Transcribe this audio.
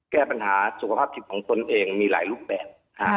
แก้ปัญหาสุขภาพจิตของตนเองมีหลายรูปแบบ